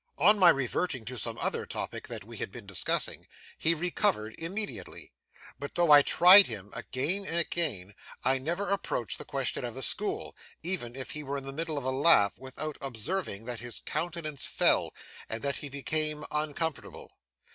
On my reverting to some other topic that we had been discussing, he recovered immediately; but, though I tried him again and again, I never approached the question of the school, even if he were in the middle of a laugh, without observing that his countenance fell, and that he became uncomfortable.